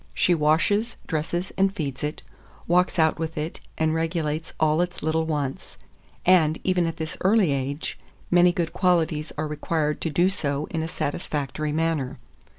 She washes, dresses, and feeds it; walks out with it, and regulates all its little wants; and, even at this early age, many good qualities are required to do so in a satisfactory manner.